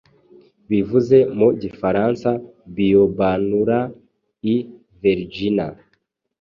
bivuze mu gifarana biobanura i Vergina